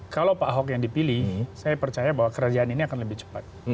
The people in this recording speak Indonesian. kalau pak ahok yang dipilih saya percaya bahwa kerajaan ini akan lebih cepat